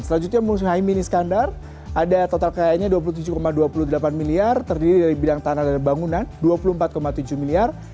selanjutnya mushaymin iskandar ada total kayaknya dua puluh tujuh dua puluh delapan miliar terdiri dari bidang tanah dan bangunan rp dua puluh empat tujuh miliar